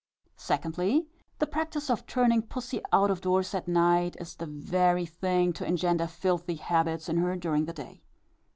Secondly, the practice of turning pussy out of doors at night, is the very thing to engender filthy habits in her during the day.